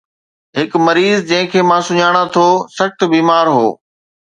هڪ مريض جنهن کي مان سڃاڻان ٿو سخت بيمار هو